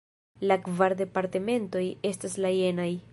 La kvar departementoj estas la jenaj:.